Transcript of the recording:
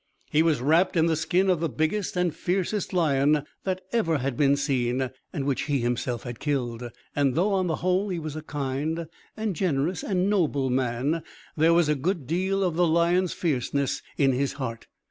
He was wrapt in the skin of the biggest and fiercest lion that ever had been seen, and which he himself had killed; and though, on the whole, he was kind, and generous, and noble, there was a good deal of the lion's fierceness in his heart.